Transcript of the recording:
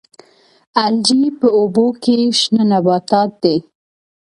الجی په اوبو کې شنه نباتات دي